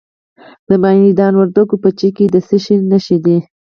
د میدان وردګو په چک کې د څه شي نښې دي؟